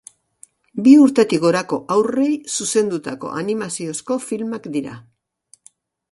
Bi urtetik gorako haurrei zuzendutako animaziozko filmak dira.